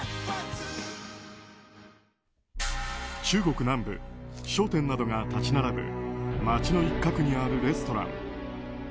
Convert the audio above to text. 中国南部、商店などが立ち並ぶ街の一角にあるレストラン。